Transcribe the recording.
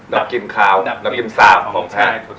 ดับกลิ่นขาวดับกลิ่นซามของแพ้